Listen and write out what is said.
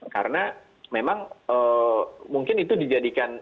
karena memang mungkin itu dijadikan